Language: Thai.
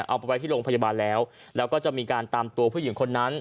เอาไปไว้ที่โรงพยาบาลแล้วแล้วก็จะมีการตามตัวผู้หญิงคนนั้น